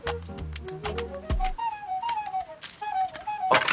あっ。